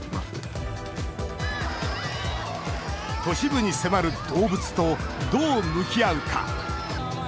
都市部に迫る動物とどう向き合うか。